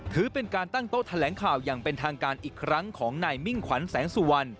ถือเป็นการตั้งโต๊ะแถลงข่าวอย่างเป็นทางการอีกครั้งของนายมิ่งขวัญแสงสุวรรณ